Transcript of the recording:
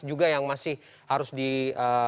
juga yang masih harus di